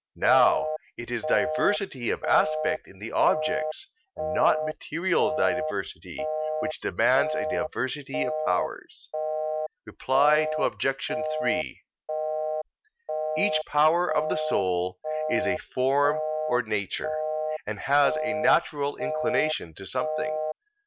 Now, it is diversity of aspect in the objects, and not material diversity, which demands a diversity of powers. Reply Obj. 3: Each power of the soul is a form or nature, and has a natural inclination to something.